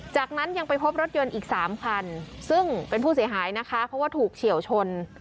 จากนั้นยังไปพบรถยนต์อีก๓คันซึ่งเป็นผู้เสียหายนะคะเพราะว่าถูกเฉียวชน